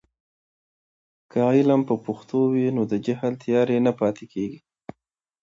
که علم په پښتو وي، نو د جهل تیارې نه پاتې کېږي.